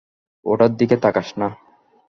ওটার দিকে তাকাস না।